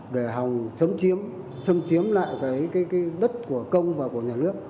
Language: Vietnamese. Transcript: để hòng sống chiếm sống chiếm lại cái đất của công và của nhà nước